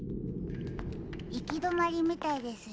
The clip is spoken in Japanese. いきどまりみたいですよ。